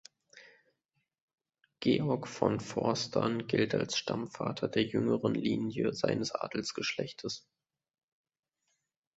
Georg von Forstern gilt als Stammvater der jüngeren Linie seines Adelsgeschlechtes.